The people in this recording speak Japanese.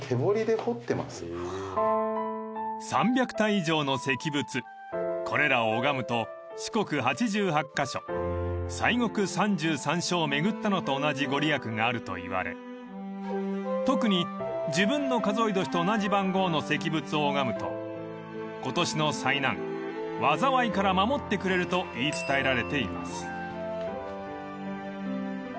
［３００体以上の石仏これらを拝むと四国八十八ヶ所西国三十三所を巡ったのと同じ御利益があるといわれ特に自分の数え年と同じ番号の石仏を拝むと今年の災難災いから守ってくれると言い伝えられています］